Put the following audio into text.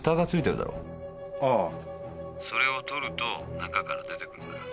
それを取ると中から出てくるから。